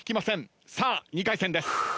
さあ２回戦です。